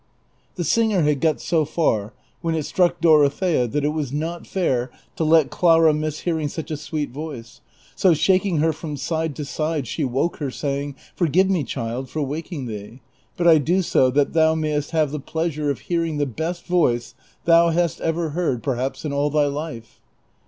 367 The singer had got so far when it struck Dorothea tliat it was not fair to let Clara miss hearing STieh a sweet voice, so, shaking her from side to side, she woke her, saying, " Forgive me, child, for waking thee, but I do so that thou mayest have the pleasure of hearing the best voice thou hast ever heard, perhaps, in all thy life."